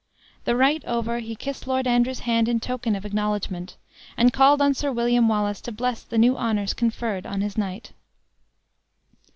The rite over, he kissed Lord Andrew's hand in token of acknowledgment; and called on Sir William Wallace to bless the new honors conferred on his knight.